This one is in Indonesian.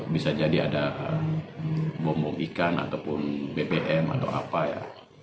bisa jadi ada bombong ikan ataupun bbm atau apa ya